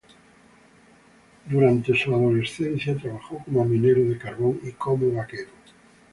Durante su adolescencia trabajó como minero de carbón y como vaquero.